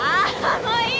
もういい！